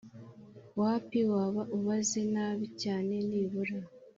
Wapi waba ubaze nabi cyane nibura